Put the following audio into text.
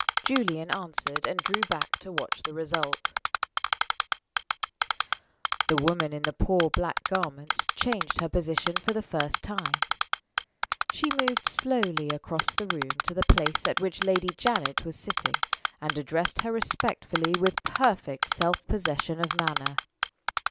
Julian answered, and drew back to watch the result. The woman in the poor black garments changed her position for the first time. She moved slowly across the room to the place at which Lady Janet was sitting, and addressed her respectfully with perfect self possession of manner.